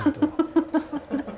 アハハハ。